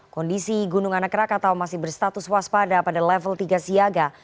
kondisi gunung anak rakatau masih berstatus waspada pada level tiga siaga